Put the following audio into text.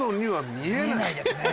見えないですね。